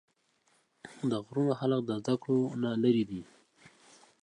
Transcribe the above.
د غرونو خلق د زدکړو نه لرې دي